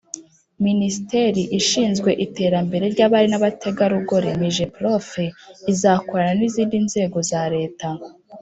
minisiteri ishinzwe iterambere ry'abari n'abategarugori (migeprofe) izakorana n'izindi nzego za leta